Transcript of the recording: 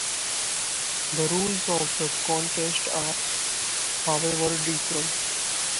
The rules of the contest are, however, different.